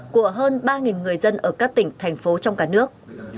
của hơn ba người dân ở các tỉnh thành phố trong cả nước